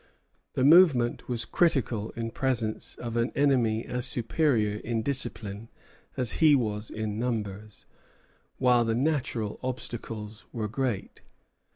The movement was critical in presence of an enemy as superior in discipline as he was in numbers, while the natural obstacles were great.